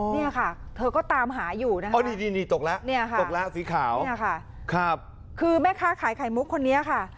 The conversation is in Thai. นี่ค่ะเธอก็ตามหาอยู่นะครับนี่นี่นี่ตกแล้วตกแล้วสีขาวนี่ค่ะคือแม่ค้าขายไข่มุกคนนี้ค่ะ